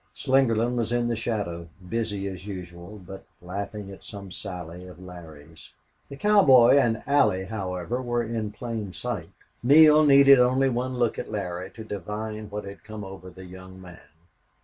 Slingerland was in the shadow, busy as usual, but laughing at some sally of Larry's. The cowboy and Allie, however, were in plain sight. Neale needed only one look at Larry to divine what had come over that young man.